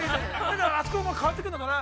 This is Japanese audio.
◆あそこは変わってくるのかな。